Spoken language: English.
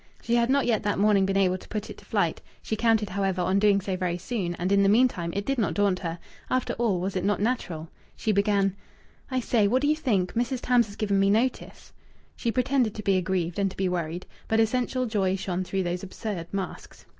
She had not yet that morning been able to put it to flight; she counted, however, on doing so very soon, and in the meantime it did not daunt her. After all, was it not natural? She began "I say, what do you think? Mrs. Tams has given me notice." She pretended to be aggrieved and to be worried, but essential joy shone through these absurd masks.